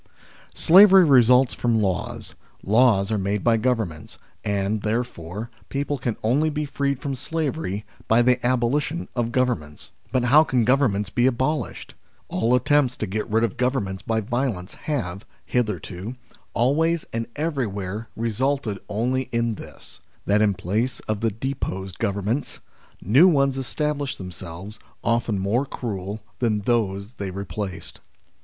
SLAVERY results from laws, laws are made by Governments, and, therefore, people can only be freed from slavery by the abolition of Govern ments. But how can Governments be abolished ? All attempts to get rid of Governments by violence have, hitherto, always and everywhere resulted only in this : that in place of the deposed Governments, new ones established themselves, often more cruel than those they replaced.